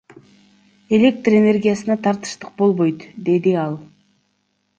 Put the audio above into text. Электр энергиясына тартыштык болбойт, — деди ал.